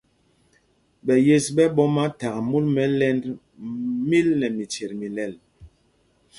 Ɓɛ yes ɓɛ̄ ɓɔ́ma thak múl mɛ ɛ́lɛ́nd míl nɛ michyet mi lɛl.